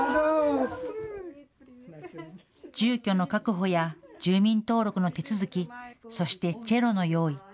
住居の確保や住民登録の手続き、そしてチェロの用意。